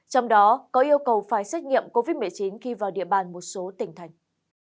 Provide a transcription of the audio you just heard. trong đó có yêu cầu phải xét nghiệm covid một mươi chín khi vào địa bàn một số tỉnh thành